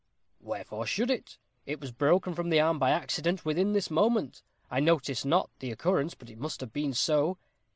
"Wherefore should it? It was broken from the arm by accident within this moment. I noticed not the occurrence, but it must have been so."